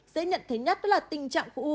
dễ nhận thấy nhất đó là tình trạng của u